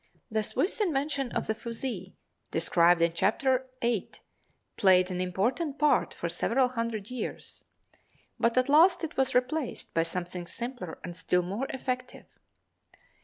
The Swiss invention of the fusee, described in Chapter VIII, played an important part for several hundred years, but at last it was replaced by something simpler and still more effective.